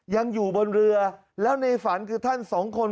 ยังอยู่บนเรือแล้วในฝันคือท่านสองคน